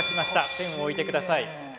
ペンを置いてください。